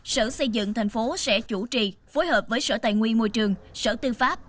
sở xây dựng tp hcm sẽ chủ trì phối hợp với sở tài nguyên môi trường sở tư pháp